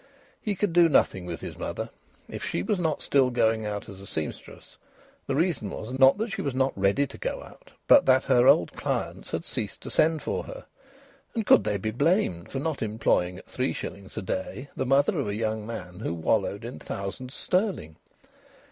He could do nothing with his mother. If she was not still going out as a sempstress the reason was, not that she was not ready to go out, but that her old clients had ceased to send for her. And could they be blamed for not employing at three shillings a day the mother of a young man who wallowed in thousands sterling?